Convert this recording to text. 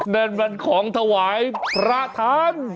นั่นมันของถวายพระท่าน